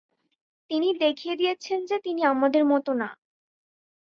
তিনি দেখিয়ে দিয়েছেন যে তিনি আমাদের মত না।